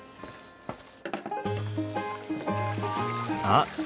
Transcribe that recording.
あっ！